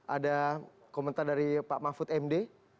ada komentar dari pak mahfud md